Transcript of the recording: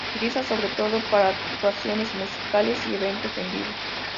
Se utiliza sobre todo para actuaciones musicales y eventos en vivo.